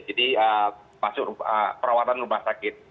jadi perawatan rumah sakit